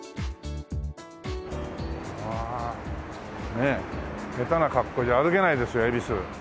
ねえ下手な格好じゃ歩けないですよ恵比寿。